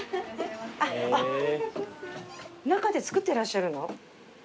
あっ中で作ってらっしゃるの？